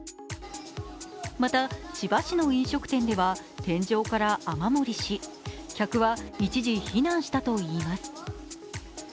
また、千葉市の飲食店では天井から雨漏りし、客は一時避難したといいます。